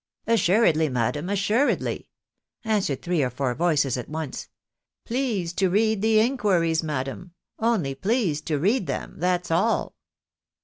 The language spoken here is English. " Assuredly, madam, assuredly !" answered three or four voices at once. " Please to read the inquiries, madam, only please to read them, that's all."